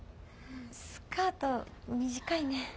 スカート短いね。